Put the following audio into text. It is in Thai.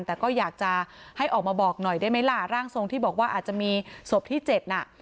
แต่ก็อยากจะให้ออกมาบอกหน่อยได้ไหมล่ะร่างทรงที่บอกว่าอาจจะมีศพที่เจ็ดน่ะ